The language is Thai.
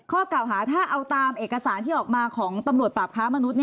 ข้อกล่าวหาถ้าเอาตามเอกสารที่ออกมาของตำรวจปราบค้ามนุษย